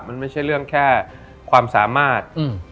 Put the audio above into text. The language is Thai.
มันไม่ใช่เรื่องแค่ความสามารถ